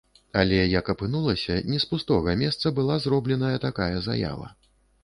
Але як апынулася, не з пустога месца была зробленая такая заява.